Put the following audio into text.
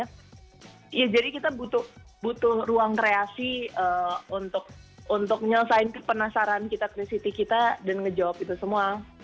iya jadi kita butuh ruang kreasi untuk menyelesaikan penasaran kita kristi kita dan ngejawab itu semua